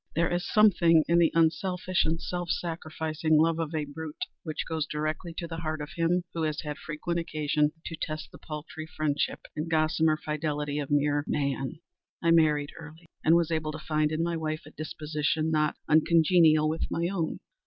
There is something in the unselfish and self sacrificing love of a brute, which goes directly to the heart of him who has had frequent occasion to test the paltry friendship and gossamer fidelity of mere Man. I married early, and was happy to find in my wife a disposition not uncongenial with my own.